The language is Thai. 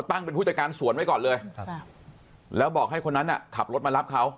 ตั้งเป็นผู้จัดการสวนไว้ก่อนเลยแล้วบอกให้คนนั้นขับรถมารับเขา